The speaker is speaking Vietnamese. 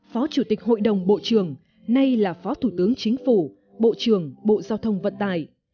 phó chủ tịch hội đồng bộ trưởng nay là phó thủ tướng chính phủ bộ trưởng bộ giao thông vận tài